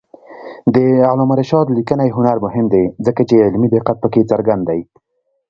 د علامه رشاد لیکنی هنر مهم دی ځکه چې علمي دقت پکې څرګند دی.